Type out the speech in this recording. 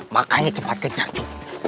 makanya cepat kejar cup